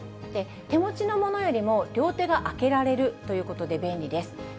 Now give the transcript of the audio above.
手持ちのものよりも両手が開けられるということで便利です。